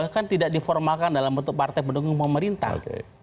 kan tidak diformalkan dalam bentuk partai pendukung pemerintah